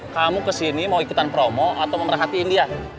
kamu kesini mau ikutan promo atau mau ngerahatiin dia